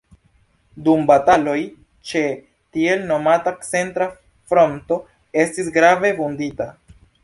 Dum bataloj ĉe tiel nomata centra fronto estis grave vundita.